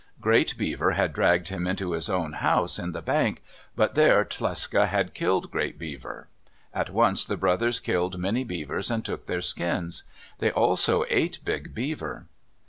Great Beaver had dragged him into his own house in the bank, but there Tlecsa had killed Great Beaver. At once the brothers killed many beavers and took their skins. They also ate Big Beaver.